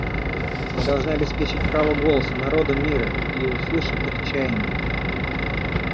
Мы должны обеспечить право голоса народам мира и услышать их чаяния.